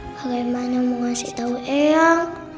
bagaimana mau ngasih tahu eyang